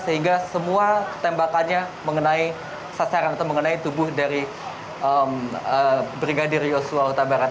sehingga semua tembakannya mengenai sasaran atau mengenai tubuh dari brigadir riosuah kota barat